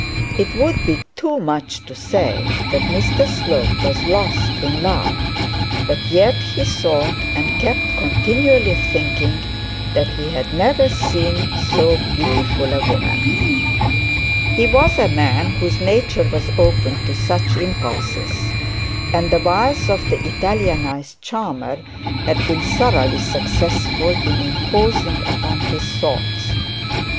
It would be too much to say that Mr Slope was lost in love, but yet he thought, and kept continually thinking, that he had never seen so beautiful a woman. He was a man whose nature was open to such impulses, and the wiles of the Italianised charmer had been thoroughly successful in imposing upon his thoughts.